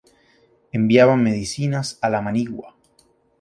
Enviaban medicinas a la manigua.